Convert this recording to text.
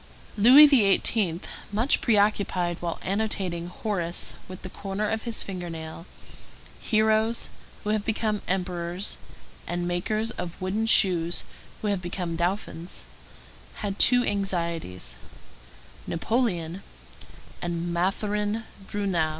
Louis XVIII., much preoccupied while annotating Horace with the corner of his finger nail, heroes who have become emperors, and makers of wooden shoes who have become dauphins, had two anxieties,—Napoleon and Mathurin Bruneau.